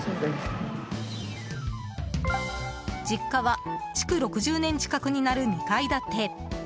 実家は築６０年近くになる２階建て。